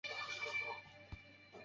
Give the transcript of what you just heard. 翌年升任金门总兵。